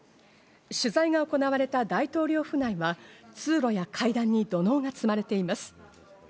取材が行われた大統領府内は、通路や階段に土のうが積まれています。